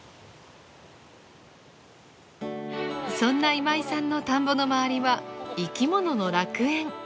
そんな今井さんの田んぼの周りは生き物の楽園。